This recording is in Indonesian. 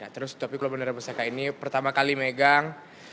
tapi kalau bendera pesaka ini pertama kali megang